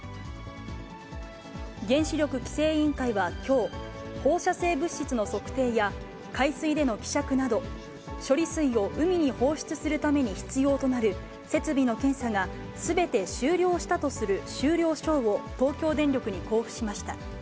原子力規制委員会はきょう、放射性物質の測定や海水での希釈など、処理水を海に放出するために必要となる設備の検査が、すべて終了したとする終了証を東京電力に交付しました。